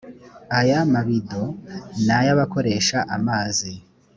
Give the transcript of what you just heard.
aya mabido ni ay’abakoresha amazi